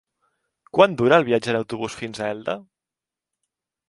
Quant dura el viatge en autobús fins a Elda?